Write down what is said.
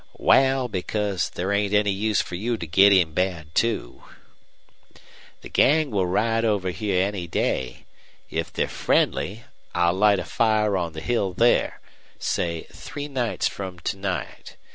"Wal, because there ain't any use fer you to git in bad, too." "The gang will ride over here any day. If they're friendly, I'll light a fire on the hill there, say three nights from to night.